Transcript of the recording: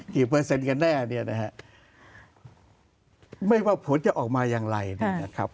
เปอร์เซ็นต์กันแน่เนี่ยนะฮะไม่ว่าผลจะออกมาอย่างไรเนี่ยนะครับ